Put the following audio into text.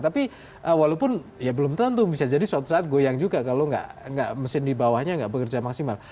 tapi walaupun ya belum tentu bisa jadi suatu saat goyang juga kalau nggak mesin di bawahnya nggak bekerja maksimal